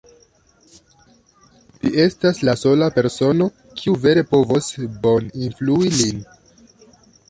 Vi estas la sola persono, kiu vere povos boninflui lin.